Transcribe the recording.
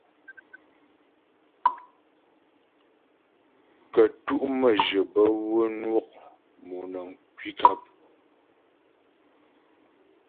Kə́tu' məjyə bə́ wə́ nwɔ' mɔnəŋ kwi nkap.